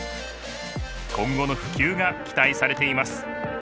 今後の普及が期待されています。